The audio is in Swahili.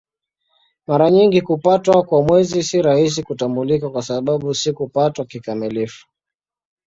Mara nyingi kupatwa kwa Mwezi si rahisi kutambulika kwa sababu si kupatwa kikamilifu.